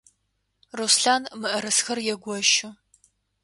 Руслъан мыӏэрысэхэр егощы.